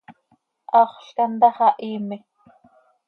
Haxöl quih antá xah hiime.